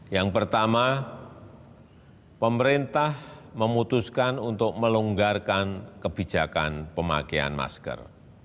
yang pertama pemerintah memutuskan untuk melonggarkan kebijakan pemakaian masker